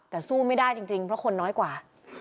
แต่สู้ไม่ได้จริงเพราะคนน้อยกว่า